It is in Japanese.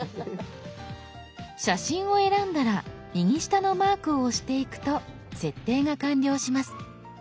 写真を選んだら右下のマークを押していくと設定が完了します。